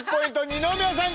二宮さん